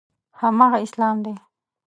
هماغه اسلام دی.